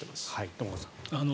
玉川さん。